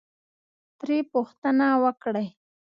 ترې پوښتنه وکړئ،